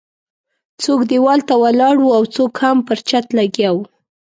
څوک ديوال ته ولاړ وو او څوک هم پر چت لګیا وو.